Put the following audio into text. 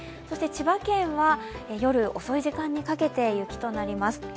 そして千葉県は夜遅い時間にかけて雪となります。